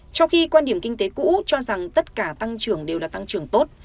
trong khi quan điểm kinh tế cũ cho rằng tất cả tăng trưởng đều là tăng trưởng tốt